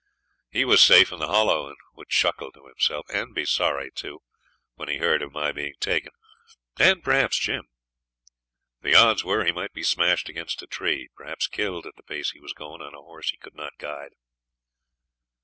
He was safe in the Hollow, and would chuckle to himself and be sorry, too when he heard of my being taken, and perhaps Jim. The odds were he might be smashed against a tree, perhaps killed, at the pace he was going on a horse he could not guide.